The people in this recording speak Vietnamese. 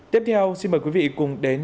tiếp theo xin mời quý vị cùng đến